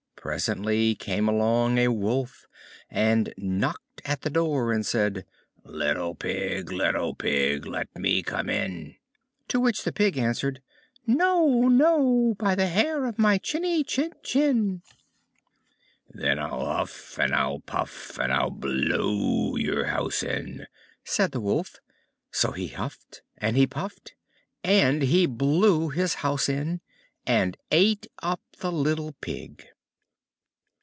Presently came along a Wolf, and knocked at the door, and said, "Little Pig, little Pig, let me come in." To which the Pig answered, "No, no, by the hair of my chinny chin chin." "Then I'll huff and I'll puff, and I'll blow your house in!" said the Wolf. So he huffed, and he puffed, and he blew his house in, and ate up the little Pig.